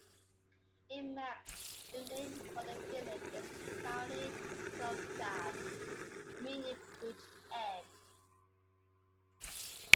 In Manx the name for the village is "Kione Droghad" meaning "bridge end".